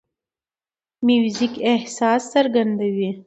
موزیک احساس څرګندوي.